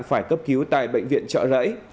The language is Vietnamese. phải cấp cứu tại bệnh viện trợ rẫy